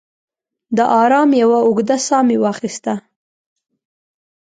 د ارام یوه اوږده ساه مې واخیسته.